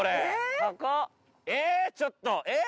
えーっちょっとえっ！？